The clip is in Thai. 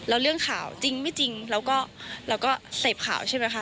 แล้วเรื่องข่าวจริงไม่จริงแล้วก็เราก็เสพข่าวใช่ไหมคะ